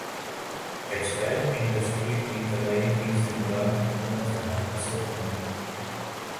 textile industry کی تباہی کی ذمہ دار حکومت ہے اسد عمر